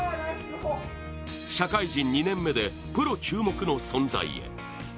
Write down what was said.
社会人２年目でプロ注目の存在へ。